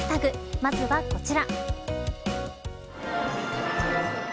まずは、こちら。